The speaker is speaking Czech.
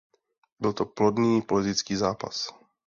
Byl to plodný politický zápas.